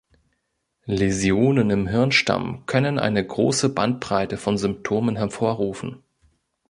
Läsionen im Hirnstamm können eine große Bandbreite von Symptomen hervorrufen.